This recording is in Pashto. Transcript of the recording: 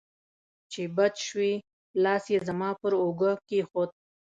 چې بچ شوې، لاس یې زما پر اوږه کېښود.